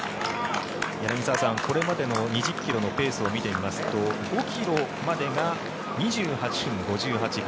柳澤さん、これまでの２０ｋｍのペースを見てみますと５ｋｍまでが２８分５８秒。